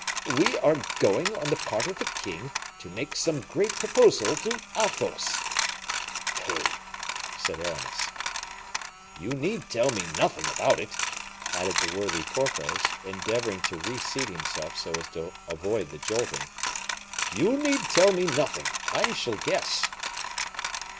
"We are going, on the part of the king, to make some great proposal to Athos." "Pooh!" said Aramis. "You need tell me nothing about it," added the worthy Porthos, endeavoring to reseat himself so as to avoid the jolting, "you need tell me nothing, I shall guess."